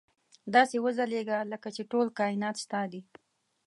داسې وځلېږه لکه چې ټول کاینات ستا دي.